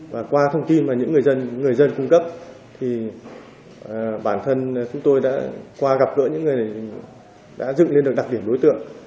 và qua thông tin mà những người dân cung cấp thì bản thân chúng tôi đã qua gặp gỡ những người đã dựng lên được đặc điểm đối tượng